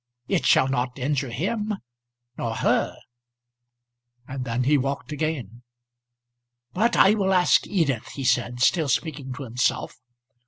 It shall not injure him nor her." And then he walked again. "But I will ask Edith," he said, still speaking to himself.